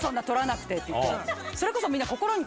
それこそみんな。